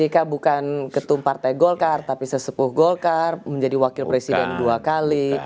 mereka bukan ketum partai golkar tapi sesepuh golkar menjadi wakil presiden dua kali